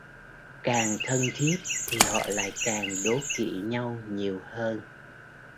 Càng thân thiết thì họ lại càng đố kị nhau nhiều hơn